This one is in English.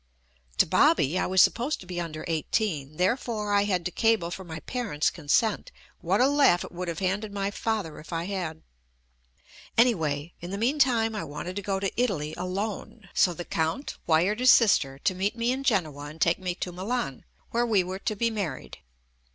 To "Bobby," I was sup [1S6] JUST ME posed to be under eighteen — therefore I had to cable for my parents' consent (what a laugh it would have handed my father if I had). Anyway, in fie meantime I wanted to go to Italy alone, so the Count wired his sister to meet me in Genoa and take me to Milan, where we were to be married.